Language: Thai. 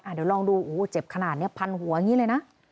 เดี๋ยวลองดูโอ้โหเจ็บขนาดนี้พันหัวอย่างนี้เลยนะ